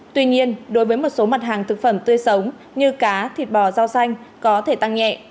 tuy nhiên đối với một số mặt hàng thực phẩm tươi sống như cá thịt bò rau xanh có thể tăng nhẹ